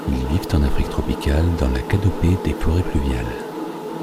Ils vivent en Afrique tropicale, dans la canopée des forêts pluviales.